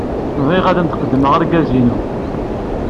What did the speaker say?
Bɣiɣ ad am-d-qeddmeɣ argaz-inu.